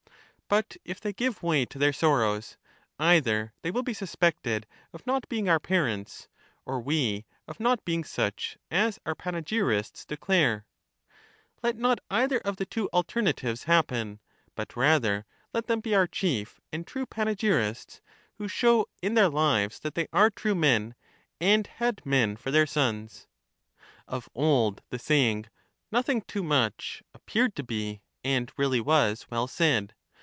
But if they give way to their sorrows, either they will be suspected of not being our parents, or we of not being such as our panegyrists declare. Let not either of the two alternatives happen, but rather let them be our chief and true panegyrists, who show in their lives that they are true men, and had men for their sons. The state the protector both of parents and orphans. 5 3 1 Of old the saying, " Nothing too much," appeared to be, and Menexenu*. really was, well said.